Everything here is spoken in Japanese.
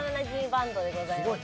バンドでございます。